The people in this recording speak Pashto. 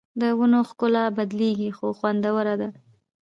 د ونو ښکلا بدلېږي خو خوندوره ده